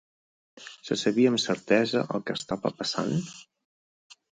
Se sabia amb certesa el que estava passant?